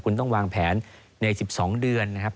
คุณต้องวางแผนใน๑๒เดือนนะครับ